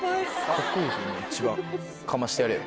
カッコいいですよね一番かましてやれよ。